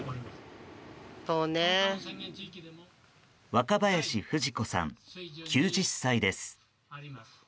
若林不二子さん、９０歳です。